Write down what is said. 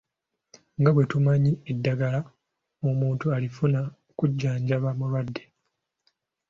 Nga bwe tumanyi eddagala omuntu alifuna kujjanjaba bulwadde.